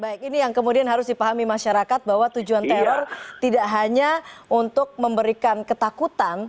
baik ini yang kemudian harus dipahami masyarakat bahwa tujuan teror tidak hanya untuk memberikan ketakutan